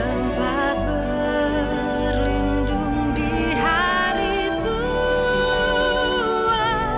tempat berlindung di hari tua